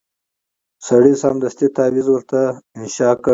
سړي سمدستي تعویذ ورته انشاء کړ